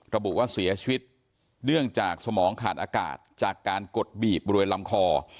ระบุว่าเสียชีวิตเนื่องจากสมองขาดอากาศจากการกดบีบบริเวณลำคอ